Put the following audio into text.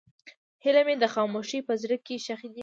هیلې مې د خاموشۍ په زړه کې ښخې دي.